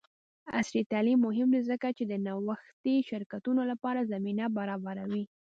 عصري تعلیم مهم دی ځکه چې د نوښتي شرکتونو لپاره زمینه برابروي.